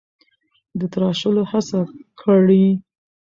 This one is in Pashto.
د تراشلو هڅه کړې: